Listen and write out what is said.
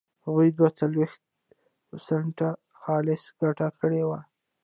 هغه دوه څلوېښت سنټه خالصه ګټه کړې وه.